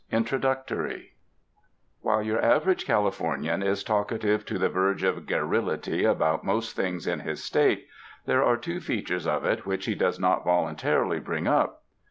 Introductory WHILE your average Californian is talkative to the verge of garrulity about most things in his State, there are two features of it which he does not voluntarily bring up.